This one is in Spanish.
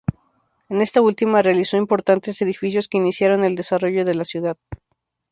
En esta última realizó importantes edificios que iniciaron el desarrollo de la ciudad.